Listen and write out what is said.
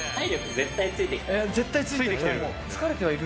絶対ついてきてる。